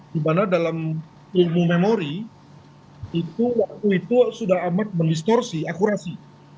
di mana dalam ilmu memori itu waktu itu sudah amat mendistorsi akurasi